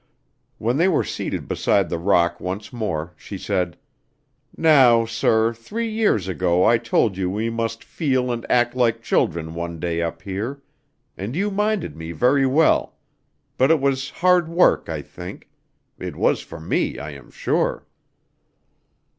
When they were seated beside the rock once more she said: "Now, sir, three years ago I told you we must feel and act like children one day up here, and you minded me very well; but it was hard work, I think. It was for me, I am sure."